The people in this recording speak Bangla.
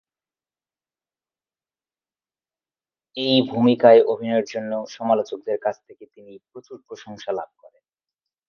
এই ভূমিকায় অভিনয়ের জন্য সমালোচকদের কাছ থেকে তিনি প্রচুর প্রশংসা লাভ করেন।